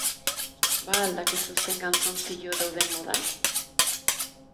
Ba al dakizu zein galtzontzillo dauden modan?